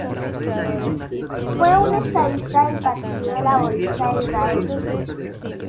Fue un estadista del Partido Laborista de Israel.